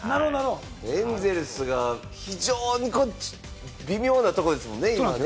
エンゼルスが非常に微妙なとこですもんね、今ね。